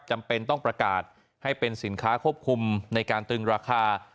จำเป็นต้องประกาศให้เป็นสินค้าควบคุมในการตึงราคา